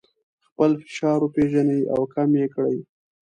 خپل فشار وپیژنئ او کم یې کړئ.